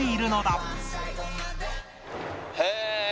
へえ！